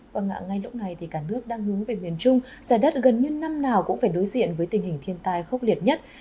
và ngay lúc này cả nước đang hướng về miền trung giá đất gần như năm nào cũng phải đối diện với tình hình thiên tai khốc liệt nhất